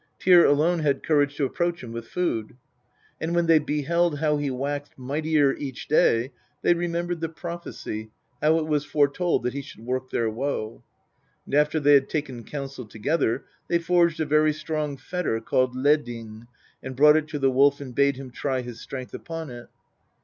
Tyr alone had courage to approach him with food. And when they beheld how he waxed mightier each day they remembered the prophecy, how. it was foretold that lie should work their woe. And after they had taken counsel together they forged a very strong fetter called Landing, and brought it to the Wolf and bade him try his strength upon it.